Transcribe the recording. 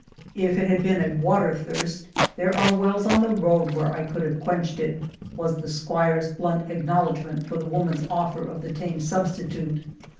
"If it had been a water thirst, there are wells on the road where I could have quenched it," was the squire's blunt acknowledgment for the wom an's offer of the tame substitute.